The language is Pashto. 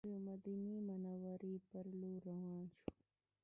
د مدینې منورې پر لور روان شوو.